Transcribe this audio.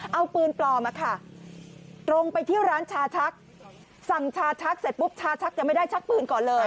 เอาปืนปลอมตรงไปที่ร้านชาชักสั่งชาชักเสร็จปุ๊บชาชักยังไม่ได้ชักปืนก่อนเลย